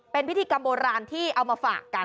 เป็นพิธีกรรมโบราณที่เอามาฝากกัน